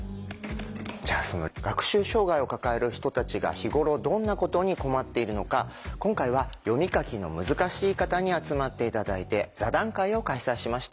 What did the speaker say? じゃあその学習障害を抱える人たちが日頃どんなことに困っているのか今回は読み書きの難しい方に集まって頂いて座談会を開催しました。